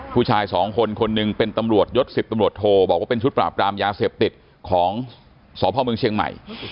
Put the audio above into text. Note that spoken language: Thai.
ผู้ชายสองคนคนหนึ่งเป็นตำรวจยศ๑๐ตำรวจโทบอกว่าเป็นชุดปราบรามยาเสพติดของสพเมืองเชียงใหม่